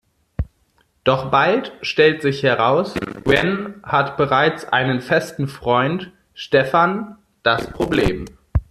Doch bald stellt sich heraus: Gwen hat bereits einen festen Freund, Stefan, „das Problem“.